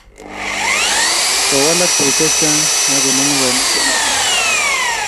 kiwalaka tuguk chechang' ya komong'u kaimutiet noto